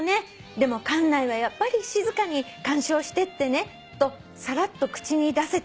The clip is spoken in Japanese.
「でも館内はやっぱり静かに鑑賞してってねとさらっと口に出せて伝えられたら」